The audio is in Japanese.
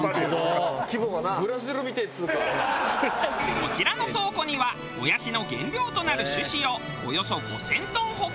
こちらの倉庫にはもやしの原料となる種子をおよそ５０００トン保管。